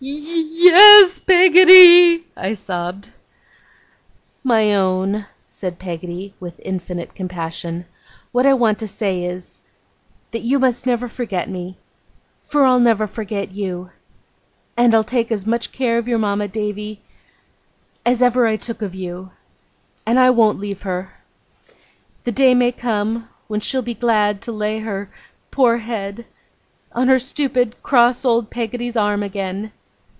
'Ye ye ye yes, Peggotty!' I sobbed. 'My own!' said Peggotty, with infinite compassion. 'What I want to say, is. That you must never forget me. For I'll never forget you. And I'll take as much care of your mama, Davy. As ever I took of you. And I won't leave her. The day may come when she'll be glad to lay her poor head. On her stupid, cross old Peggotty's arm again.